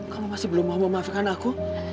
kamu masih belum mau memaafkan aku